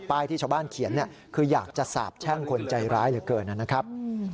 ที่ชาวบ้านเขียนคืออยากจะสาบแช่งคนใจร้ายเหลือเกินนะครับ